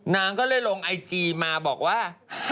นางก็เลยลงไอจีมาบอกว่า